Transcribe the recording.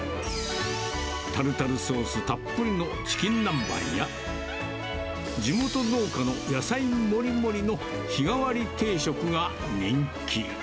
タルタルソースたっぷりのチキン南蛮や、地元農家の野菜もりもりの日替わり定食が人気。